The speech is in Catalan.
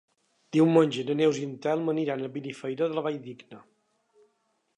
Diumenge na Neus i en Telm aniran a Benifairó de la Valldigna.